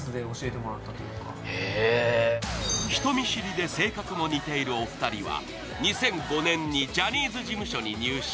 人見知りで性格も似ているお二人は２００５年にジャニーズ事務所に入所。